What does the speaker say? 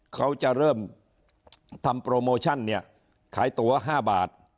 เขาจะเริ่มทำโปรโมชั่นเนี่ยขายตัว๕บาท